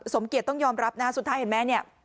สมเกียจต้องยอมรับนะฮะสุดท้ายเห็นไหมเนี่ย